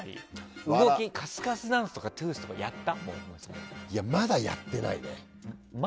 動き、カスカスダンスとかトゥースとかまだやってないね。